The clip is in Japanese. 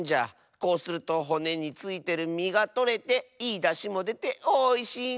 こうするとほねについてるみがとれていいだしもでておいしいんじゃよ。